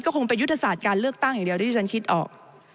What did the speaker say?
คงเป็นยุทธศาสตร์การเลือกตั้งอย่างเดียวที่ฉันคิดออก